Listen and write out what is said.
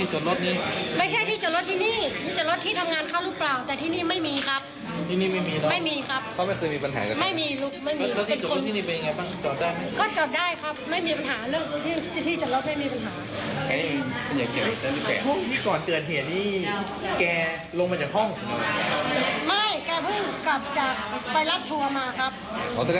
หมอเตรียมว่าเก๋ยยังไม่ขึ้นห้องหรอ